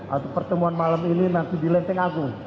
atau pertemuan malam ini nanti dilenting aku